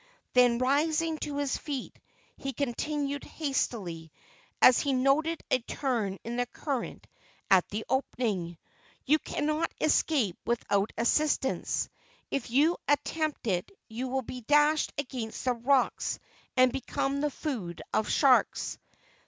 Then, rising to his feet, he continued hastily, as he noted a turn in the current at the opening: "You cannot escape without assistance. If you attempt it you will be dashed against the rocks and become the food of sharks."